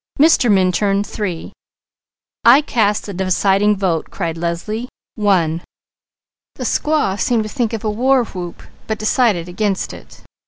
Mr. Minturn, three!" "I cast the deciding vote," cried Leslie. "One!" The squaw seemed to think of a war whoop, but decided against it.